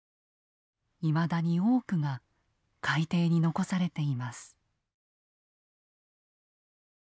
いまだに多くが海底に残されています。